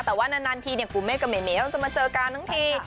แต่ว่านานทีกูเมฆกับเมเม้วจะมาเจอกันทั้งที